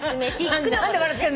何で笑ってんのよ。